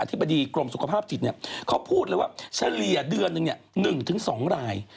ธิบดีกรมสุขภาพจิตเขาพูดเลยว่าเฉลี่ยเดือนหนึ่ง๑๒ราย